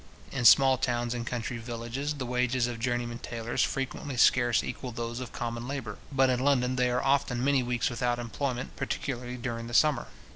In small towns and country villages, the wages of journeymen tailors frequently scarce equal those of common labour; but in London they are often many weeks without employment, particularly during the summer.